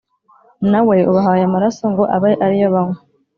nawe ubahaye amaraso ngo abe ari yo banywa,